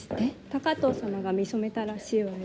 高藤様が見初めたらしいわよ。